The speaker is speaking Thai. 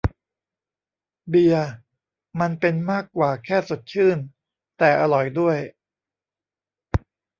เบียร์มันเป็นมากกว่าแค่สดชื่นแต่อร่อยด้วย